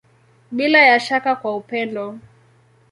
Bila ya shaka kwa upendo.